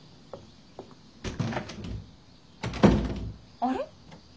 あれ？